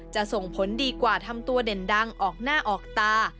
จะส่งผลดีกว่าทำตัวเด่นดังออกหน้าออกตา